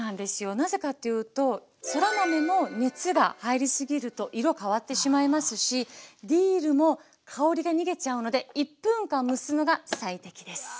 なぜかっていうとそら豆も熱が入りすぎると色変わってしまいますしディルも香りが逃げちゃうので１分間蒸すのが最適です。